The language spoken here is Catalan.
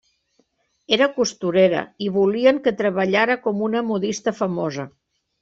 Era costurera, i volien que treballara com una modista famosa.